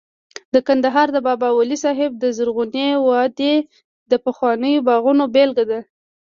د کندهار د بابا ولی صاحب د زرغونې وادۍ د پخوانیو باغونو بېلګه ده